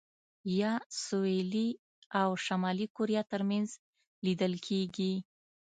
یا سوېلي او شمالي کوریا ترمنځ لیدل کېږي.